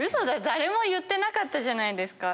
誰も言ってなかったじゃないですか。